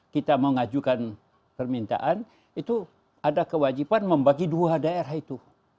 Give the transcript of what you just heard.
kita mengajukan permintaan itu ada kewajiban membagi dua daerah itu